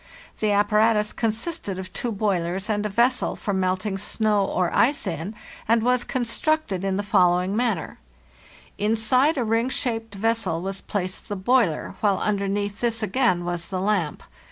The apparatus consisted of two boilers and a vessel for melting snow or ice in, and was con structed in the following manner: Inside a ring shaped vessel was placed the boiler, while underneath this again was the lamp.